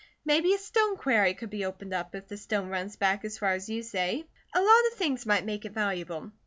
Maybe a stone quarry could be opened up, if the stone runs back as far as you say. A lot of things might make it valuable.